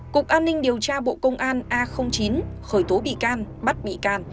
cục an ninh điều tra bộ công an a chín khởi tố bị can bắt bị can